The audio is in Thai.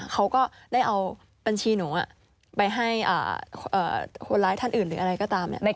เขาก็ได้เอาบัญชีหนูไปให้คนร้ายท่านอื่นหรืออะไรก็ตาม